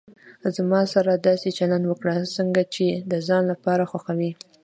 زما سره داسي چلند وکړه، څنګه چي د ځان لپاره خوښوي.